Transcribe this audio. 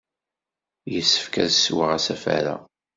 Yessefk ad sweɣ asafar-a.